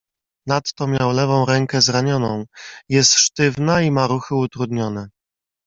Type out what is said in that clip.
"Nadto miał lewą rękę zranioną; jest sztywna i ma ruchy utrudnione."